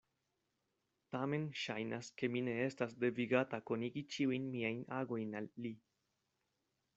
Tamen ŝajnas, ke mi ne estas devigata konigi ĉiujn miajn agojn al li.